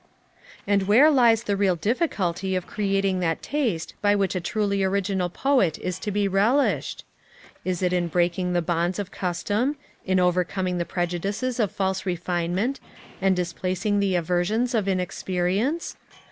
And where lies the real difficulty of creating that taste by which a truly original poet is to be relished? Is it in breaking the bonds of custom, in overcoming the prejudices of false refinement, and displacing the aversions of inexperience?